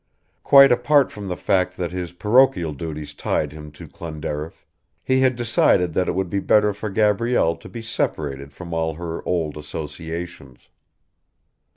Quite apart from the fact that his parochial duties tied him to Clonderriff, he had decided that it would be better for Gabrielle to be separated from all her old associations.